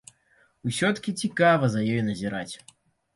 Усё-ткі цікава за ёй назіраць.